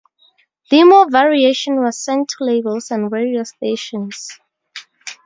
Demo Variation was sent to labels and radio stations.